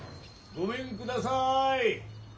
・・ごめんください。